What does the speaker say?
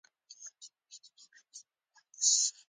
د بریدونو له کبله